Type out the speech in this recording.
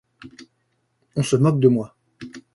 On se moque de moi.